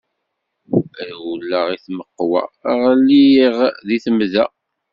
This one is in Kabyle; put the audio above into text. Rewleɣ i tmeqqwa, ɣliɣ di temda.